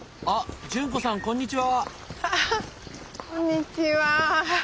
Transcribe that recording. あっこんにちは。